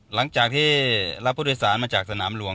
หลังจากที่รับผู้โดยสารมาจากสนามหลวง